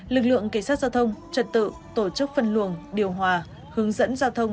lực lượng cảnh sát giao thông trật tự tổ chức phân luồng điều hòa hướng dẫn giao thông